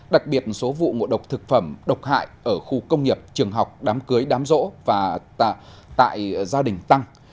đặc biệt số vụ ngộ độc thực phẩm độc hại ở khu công nghiệp trường học đám cưới đám rỗ và tại gia đình tăng